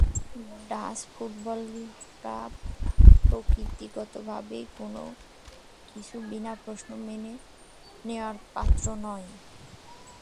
Dutch ফুটবলাররা প্রকৃতিগতভাবেই কোনো কিছু বিনা প্রশ্নে মেনে নেওয়ার পাত্র নয়।